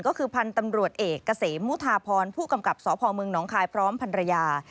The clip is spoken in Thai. ก็คือพันธุ์ตำรวจเอกกระเสมมุธาพรผู้กำกับสพมน้องคายพร้อมพันระยา